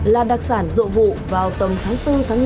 là đặc sản dộ vụ vào tầm tháng bốn năm